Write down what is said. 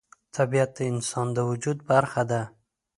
طبیعت د انسان د وجود برخه ده.